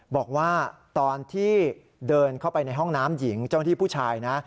บอกว่าตอนที่เดินเข้าไปในห้องน้ำหญิงเจ้าหน้าที่ผู้ชายนะ